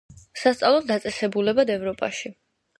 სასწავლო დაწესებულებად ევროპაში.